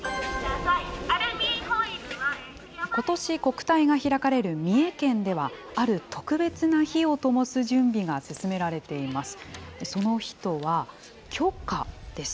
ことし国体が開かれる三重県では、ある特別な火をともす準備が進められています。